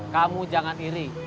kamu jangan iri